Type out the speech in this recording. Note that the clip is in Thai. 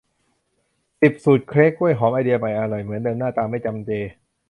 สิบ สูตรเค้กกล้วยหอมไอเดียใหม่ อร่อยเหมือนเดิมหน้าตาไม่จำเจ